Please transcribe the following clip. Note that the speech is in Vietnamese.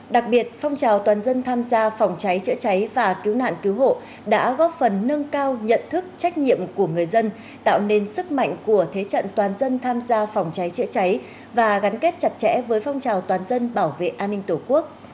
đặc biệt phong trào toàn dân tham gia phòng cháy chữa cháy và cứu nạn cứu hộ đã góp phần nâng cao nhận thức trách nhiệm của người dân tạo nên sức mạnh của thế trận toàn dân tham gia phòng cháy chữa cháy và gắn kết chặt chẽ với phong trào toàn dân bảo vệ an ninh tổ quốc